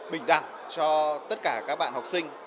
bình đẳng cho tất cả các bạn học sinh